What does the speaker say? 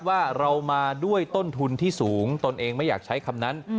ว่าเรามาด้วยต้นทุนที่สูงตนเองไม่อยากใช้คำนั้น